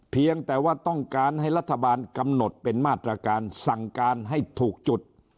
เพียงแต่ว่าต้องการให้รัฐบาลกำหนดเป็นมาตรการสั่งการให้ถูกจุด